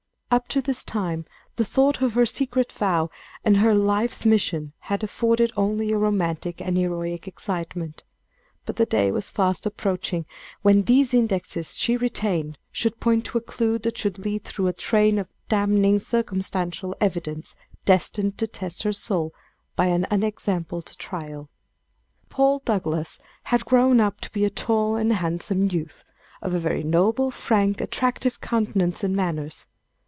Up to this time, the thought of her secret vow, and her life's mission, had afforded only a romantic and heroic excitement; but the day was fast approaching when these indexes she retained, should point to a clue that should lead through a train of damning circumstantial evidence destined to test her soul by an unexampled trial. Paul Douglass had grown up to be a tall and handsome youth, of a very noble, frank, attractive countenance and manners.